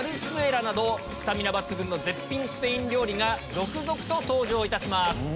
スタミナ抜群絶品スペイン料理が続々と登場いたします。